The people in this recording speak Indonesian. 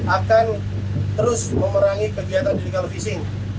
akan terus memerangi kegiatan jenderal visi